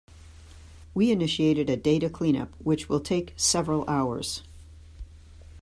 We initiated a data cleanup which will take several hours.